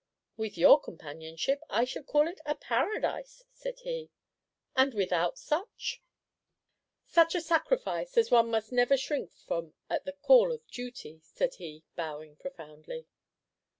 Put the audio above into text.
"With your companionship, I should call it a paradise," said he. "And without such?" "Such a sacrifice as one must never shrink from at the call of duty," said he, bowing profoundly.